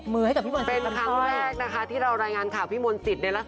เมื่อเธอแบ่งชั้นเรานั้นห่างไกล